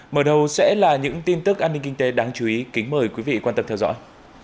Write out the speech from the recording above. mở đầu sẽ là những tin tức an ninh kinh tế đáng chú ý kính mời quý vị quan tâm theo dõi